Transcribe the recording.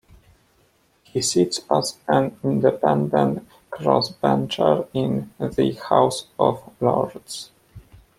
He sits as an independent crossbencher in the House of Lords.